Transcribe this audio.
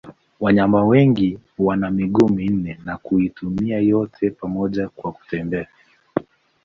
Wanyama wengi wana miguu minne na kuitumia yote pamoja kwa kutembea.